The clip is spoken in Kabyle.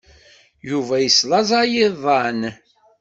Yuba yeslaẓay iḍan.